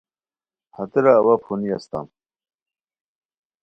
ہتیرہ اوا پھونی استام